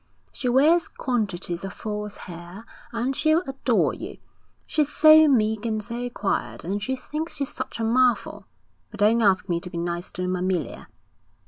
'She wears quantities of false hair, and she'll adore you. She's so meek and so quiet, and she thinks you such a marvel. But don't ask me to be nice to Amelia.'